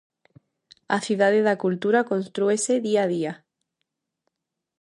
A Cidade da Cultura constrúese día a día.